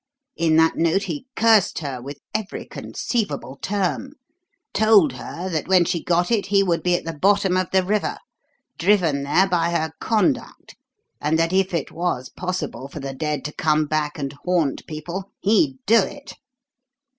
In that note he cursed her with every conceivable term; told her that when she got it he would be at the bottom of the river, driven there by her conduct, and that if it was possible for the dead to come back and haunt people he'd do it.